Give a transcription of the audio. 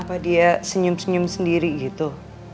apa dia senyum senyum sendiri gitu